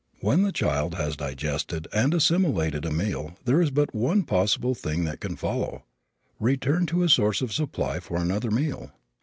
When the child has digested and assimilated a meal there is but one possible thing that can follow return to his source of supply for another meal.